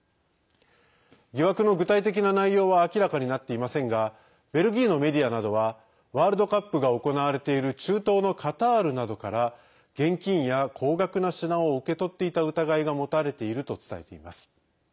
疑惑の具体的な内容は明らかになっていませんがベルギーのメディアなどはワールドカップが行われている中東のカタールなどから現金や高額な品を受け取っていた疑いが持たれていると伝えています。